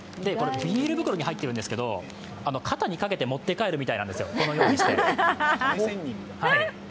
ビニール袋に入ってるんですけど、肩にかけて持って帰るみたいなんですよ、このようにして。